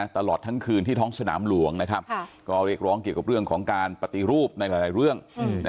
ตลอดทั้งคืนที่ท้องสนามหลวงนะครับก็เรียกร้องเกี่ยวกับเรื่องของการปฏิรูปในหลายเรื่อง